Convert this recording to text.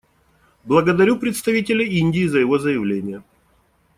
Благодарю представителя Индии за его заявление.